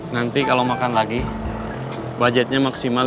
nanti kalau makan lagi budgetnya maksimal rp lima belas